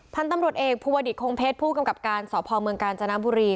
พันธ์ตำรดเอกภูวะดิษฐ์โค้งเพชรผู้กำกับการสภเมืองกาลจานบุรี